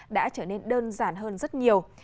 đã trở nên đơn giản hơn rất nhiều